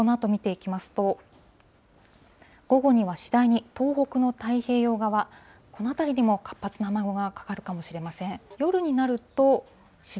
このあと見ていきますと、午後には次第に東北の太平洋側、この辺りにも活発な雨雲がかかるかもしれません。